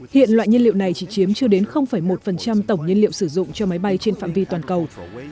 hiện loại nhiên liệu này chỉ chiếm chưa đến một tổng nhiên liệu sử dụng cho máy bay trên phạm vi toàn cầu